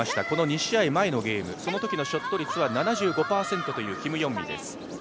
この２試合前のゲーム、そのときのショット率は７５％というキム・ヨンミです。